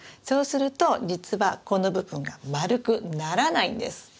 そうすると実はこの部分が丸くならないんです。